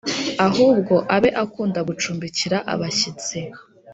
ahubwo abe ukunda gucumbikira abashyitsi